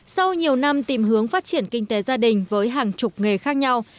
sau nhiều năm tìm hướng phát triển kinh tế gia đình với hàng chục nghề khác nhau